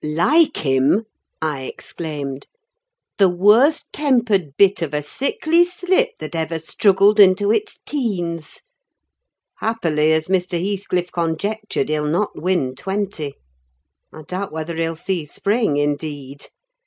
"Like him!" I exclaimed. "The worst tempered bit of a sickly slip that ever struggled into its teens. Happily, as Mr. Heathcliff conjectured, he'll not win twenty. I doubt whether he'll see spring, indeed.